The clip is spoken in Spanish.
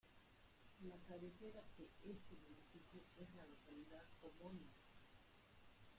La cabecera de este municipio es la localidad homónima.